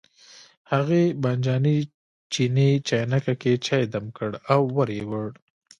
هغې بانجاني چیني چاینکه کې چای دم کړ او ور یې وړ.